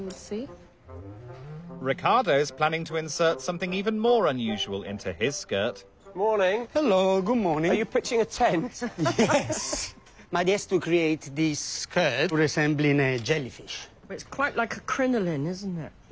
はい。